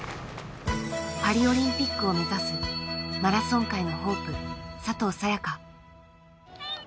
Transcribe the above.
パリオリンピックを目指すマラソン界のホープ佐藤早也伽。